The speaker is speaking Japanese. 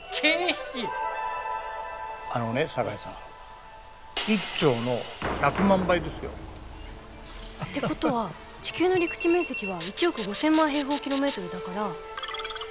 あのね堺さん１兆の１００万倍ですよ。ってことは地球の陸地面積は１億５，０００万だから。